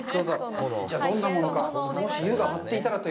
じゃあ、どんなものか。